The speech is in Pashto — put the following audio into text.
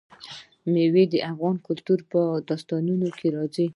مېوې د افغان کلتور په داستانونو کې راځي.